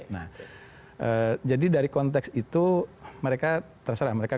nah jadi dari konteks itu mereka terserah mereka kalau sudah sampai di saudi